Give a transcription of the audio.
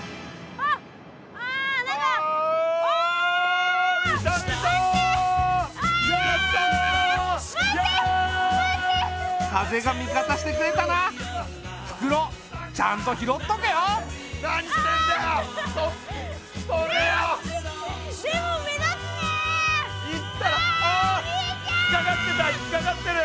ああ引っ掛かってた引っ掛かってる！